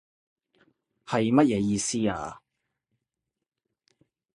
係乜嘢意思啊？